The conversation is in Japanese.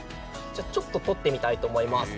ちょっととってみたいと思います。